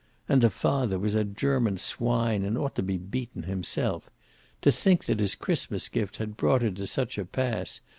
And the father was a German swine, and ought to be beaten himself. To think that his Christmas gift had brought her to such a pass!